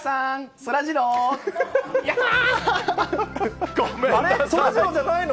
そらジローじゃないの？